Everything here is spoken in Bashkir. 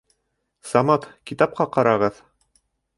Самат, китапҡа ҡарағыҙ